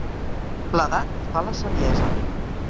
L'edat fa la saviesa.